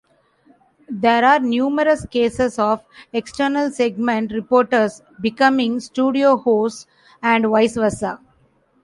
There are numerous cases of external segment reporters becoming studio hosts, and vice versa.